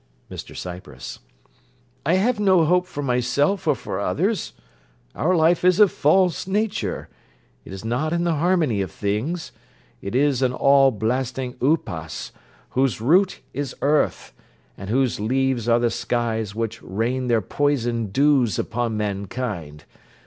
MR CYPRESS I have no hope for myself or for others. Our life is a false nature; it is not in the harmony of things; it is an all blasting upas, whose root is earth, and whose leaves are the skies which rain their poison dews upon mankind.